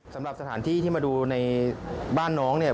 สำหรับสถานที่ที่มาดูในบ้านน้องเนี่ย